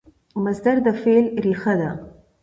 مصدر د فعل ریښه ده.